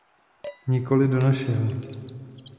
Nikoli do našeho.